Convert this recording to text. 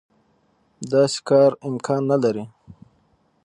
داسې کار امکان نه لري.